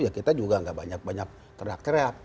ya kita juga nggak banyak banyak terak terak